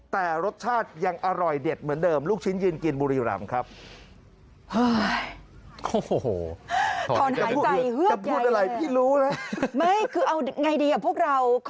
แต่รสชาติยังอร่อยเด็ดเหมือนเดิมลูกชิ้นยืนกินบุรีรำครับ